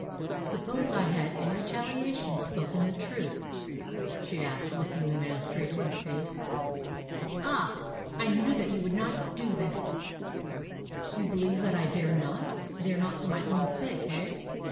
"Suppose I had, in retaliation, spoken the truth?" she asked, looking the man straight in the face. "Ah! I knew that you would not do that." "You believe that I dare not dare not for my own sake, eh?"